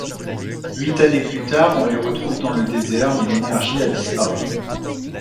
Huit années plus tard, on les retrouve dans le désert mais l'énergie a disparu.